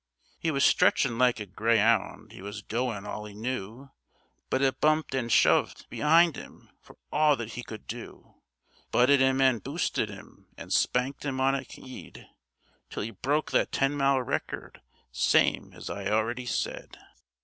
'E was stretchin' like a grey'ound, 'e was goin' all 'e knew; But it bumped an' shoved be'ind 'im, for all that 'e could do; It butted 'im an' boosted 'im an' spanked 'im on a'ead, Till 'e broke the ten mile record, same as I already said.